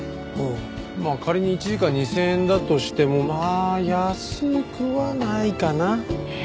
まあ仮に１時間２０００円だとしてもまあ安くはないかな。